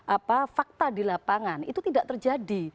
apa fakta di lapangan itu tidak terjadi